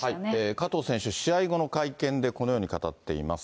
加藤選手、試合後の会見でこのように語っています。